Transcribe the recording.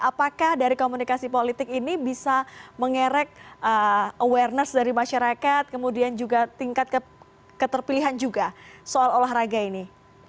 apakah dari komunikasi politik ini bisa mengerek awareness dari masyarakat kemudian juga tingkat keterpilihan juga soal olahraga ini